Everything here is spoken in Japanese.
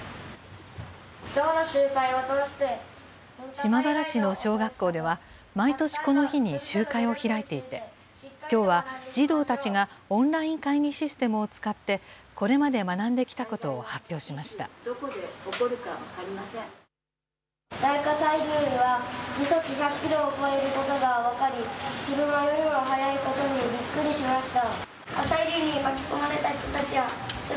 島原市の小学校では、毎年この日に集会を開いていて、きょうは児童たちがオンライン会議システムを使って、これまで学んできたことを発表しました。